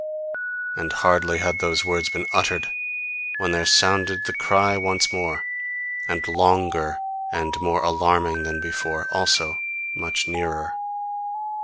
And hardly had those words been uttered when there sounded the cry once more, and longer and more alarming than before also much nearer.